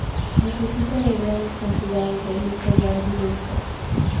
Necesita de grandes cantidades de luz solar directa.